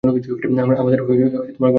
আমরের গর্দান কেটে যায়।